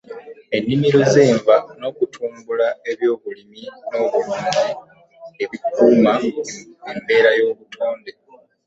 ennimiro z’enva n’okutumbula eby’obulimi n’obulunzi ebikuuma embeera y’obutonde.